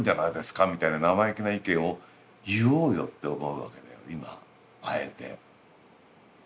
みたいな生意気な意見を言おうよって思うわけだよ今あえて。